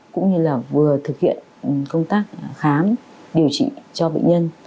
cũng như là vừa thực hiện công tác khám điều trị cho bệnh nhân